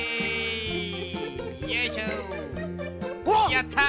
やった！